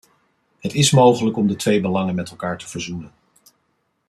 Het is mogelijk om de twee belangen met elkaar te verzoenen.